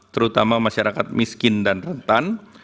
terutama masyarakat miskin dan rentan